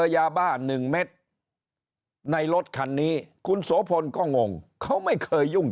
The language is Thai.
ยาบ้า๑เม็ดในรถคันนี้คุณโสพลก็งงเขาไม่เคยยุ่ง